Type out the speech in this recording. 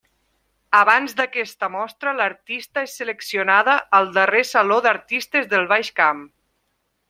Abans d’aquesta mostra l’artista és seleccionada al darrer Saló d’Artistes del Baix Camp.